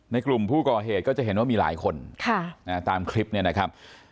กลุ่มผู้ก่อเหตุก็จะเห็นว่ามีหลายคนตามคลิปเนี่ยนะครับ